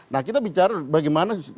nah kita bicara bagaimana